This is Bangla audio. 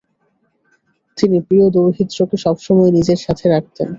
তিনি প্রিয় দৌহিত্রকে সব সময় নিজের সাথে রাখতেন।